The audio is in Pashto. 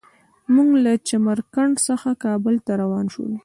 موږ له چمر کنډ څخه کابل ته روان شولو.